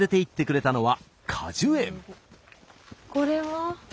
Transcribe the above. これは？